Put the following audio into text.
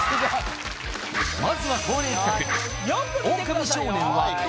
まずは恒例企画